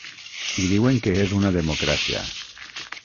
I diuen que és una democràcia.